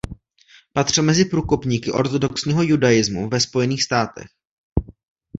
Patřil mezi průkopníky ortodoxního judaismu ve Spojených státech.